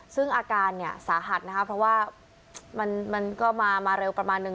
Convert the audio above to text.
ซึ่งอาการเนี่ยสาหัสนะคะเพราะว่ามันก็มาเร็วประมาณนึง